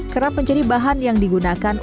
kerap menjadi bahan yang digunakan